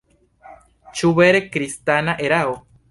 Ĉu vere kristana erao?